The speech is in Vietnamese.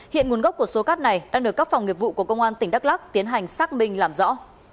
hiện nguồn gốc của số cát này đang được các phòng nghiệp vụ của công an tỉnh đắk lắk tiến hành xác minh làm rõ